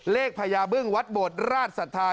เลขพญาบึ้งวัดบทราชศรัทธา